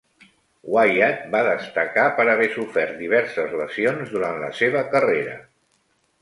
Wyatt va destacar per haver sofert diverses lesions durant la seva carrera.